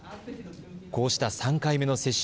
こうした３回目の接種。